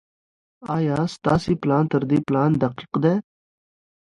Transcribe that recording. ايا ستاسي پلان تر دې پلان دقيق دی؟